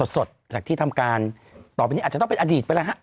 สดจากที่ทำการต่อไปนี้อาจจะต้องเป็นอดีตไปแล้วฮะ